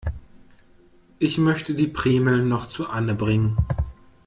Ich möchte die Primeln noch zu Anne bringen.